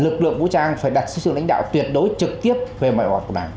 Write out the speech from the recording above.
lực lượng vũ trang phải đặt sức sướng lãnh đạo tuyệt đối trực tiếp về mọi hoạt của đảng